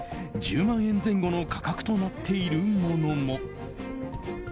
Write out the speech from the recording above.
１０万円前後の価格となっているものも。